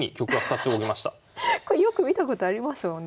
これよく見たことありますもん。